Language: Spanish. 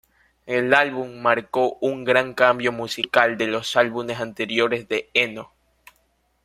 El álbum marcó un gran cambio musical de los álbumes anteriores de Eno.